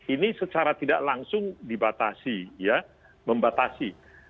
ini secara tidak langsung dibatasi